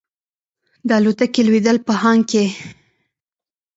د الوتکې لوېدل په هانګ کې کې.